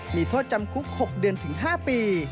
มีโทษจำคุก๖เดือนถึง๕ปี